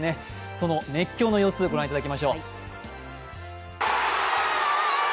その熱狂の様子ご覧いただきましょう。